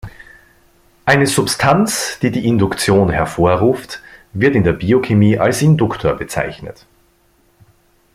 Eine Substanz, die die Induktion hervorruft, wird in der Biochemie als Induktor bezeichnet.